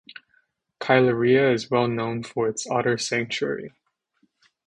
Kylerhea is well known for its otter sanctuary.